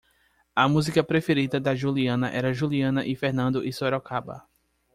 A música preferida da Juliana era Juliana e Fernando e Sorocaba.